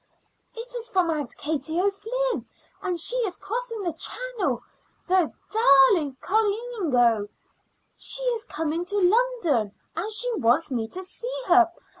"It is from Aunt Katie O'Flynn, and she is crossing the Channel, the darling colleenoge. She is coming to London, and she wants me to see her.